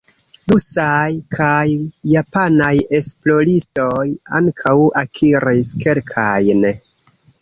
Rusaj kaj japanaj esploristoj ankaŭ akiris kelkajn.